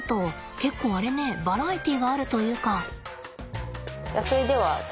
結構あれねバラエティーがあるというか。